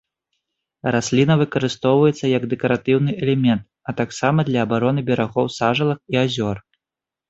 Расліна выкарыстоўваецца як дэкаратыўны элемент, а таксама для абароны берагоў сажалак і азёр.